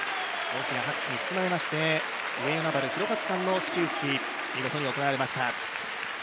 大きな拍手に包まれまして上与那原寛和さんの始球式見事に行われました。